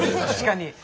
確かに。